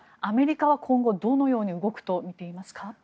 アメリカは今後どのように動くと見ていますか？